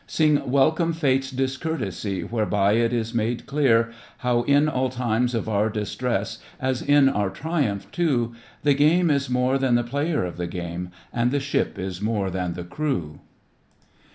Sing welcome Fate's discourtesy Whereby it is made clear How in all time of our distress As in our triumph too. The game is more than the player of the game. And the ship is more than the crew!